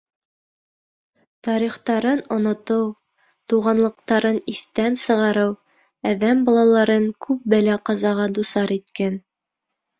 Тарихтарын онотоу, туғанлыҡтарын иҫтән сығарыу әҙәм балаларын күп бәлә-ҡазаға дусар иткән.